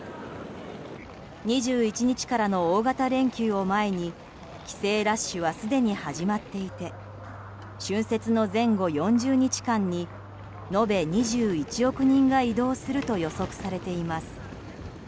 ２１日からの大型連休を前に帰省ラッシュはすでに始まっていて春節の前後４０日間に延べ２１億人が移動すると予測されています。